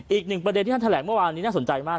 อีกหนึ่งประเด็นที่ท่านแถลงเมื่อวานนี้น่าสนใจมาก